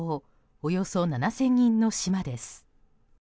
およそ７０００人の島です。